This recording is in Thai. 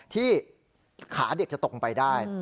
ที่ขาเด็กจะตกไปได้